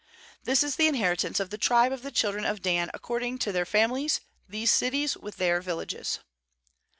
48This is the inheritance of the tribe of the children of Dan according to their families, these cities with then* villages.